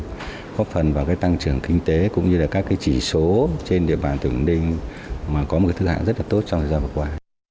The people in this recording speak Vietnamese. góp phần vào tăng trưởng kinh tế cũng như các chỉ số trên địa bàn tỉnh ninh có một thức hạng rất tốt trong thời gian vừa qua